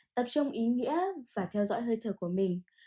tập trung ý nghĩa và theo dõi hơi thở của mình